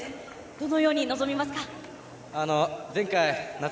どのように臨みますか。